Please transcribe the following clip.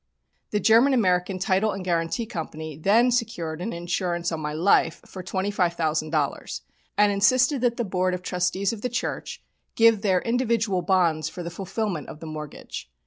The German American Title and Guarantee Company then secured an insurance on my life for $25,000 and insisted that the Board of Trustees of the church give their individual bonds for the fulfillment of the mortgage.